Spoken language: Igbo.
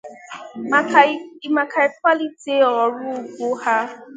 maka ịkwàlite ọrụ ugbo ha.